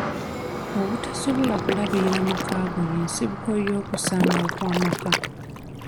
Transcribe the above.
Obutasobola kulabirira makaago y'ensibuko y'okusaanawo kw'amaka.